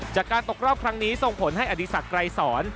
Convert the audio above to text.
จากการตกรอบครั้งนี้ส่งผลให้อดีศักดิ์ไกรสอน